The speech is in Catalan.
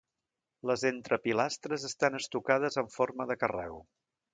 Les entrepilastres estan estucades en forma de carreu.